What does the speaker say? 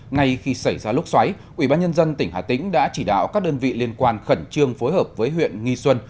ngay khi xảy ra lốc xoáy ubnd tỉnh hà tĩnh đã chỉ đạo các đơn vị liên quan khẩn trương phối hợp với huyện nghi xuân